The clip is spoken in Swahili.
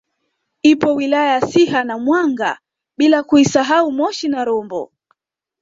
Ipo wilaya ya Siha na Mwanga bila kuisahau Moshi na Rombo